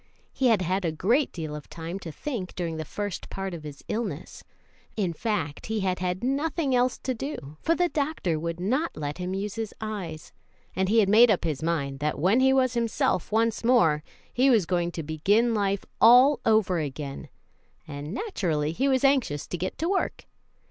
He had had a great deal of time to think during the first part of his illness in fact, he had had nothing else to do, for the doctor would not let him use his eyes and he had made up his mind that when he was himself once more he was going to begin life all over again, and naturally he was anxious to get to work.